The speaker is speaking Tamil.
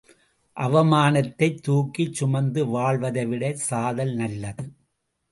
அவமானத்தைத் தூக்கிச் சுமந்து வாழ்வதைவிட சாதல் நல்லது.